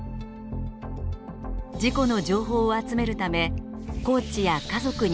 事故の情報を集めるためコーチや家族にヒアリング。